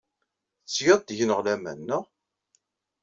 Tettgeḍ deg-neɣ laman, naɣ?